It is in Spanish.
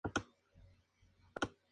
Es un lugar tranquilo y muy acogedor.